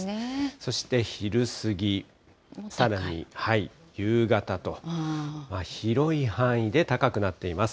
そして昼過ぎ、さらに夕方と、広い範囲で高くなっています。